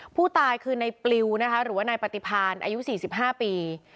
ผู้ตายคือในปลิวนะคะหรือว่านายปฏิพานอายุ๔๕ปี